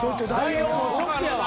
ショックやわ。